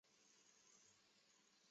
精彩且钜细靡遗的分享